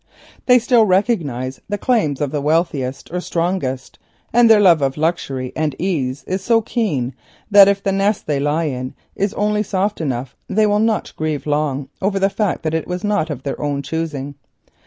They still recognise the claims of the wealthiest or strongest, and their love of luxury and ease is so keen that if the nest they lie in is only soft enough, they will not grieve long over the fact that it was not of their own choosing.